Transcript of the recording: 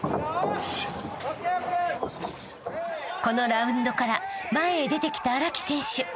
［このラウンドから前へ出てきた荒木選手］